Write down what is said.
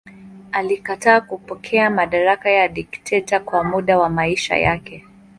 Alikataa kupokea madaraka ya dikteta kwa muda wa maisha yake.